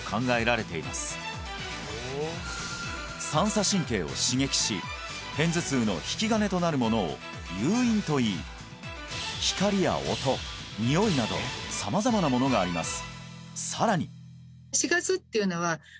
三叉神経を刺激し片頭痛の引き金となるものを「誘因」といい光や音においなど様々なものがあります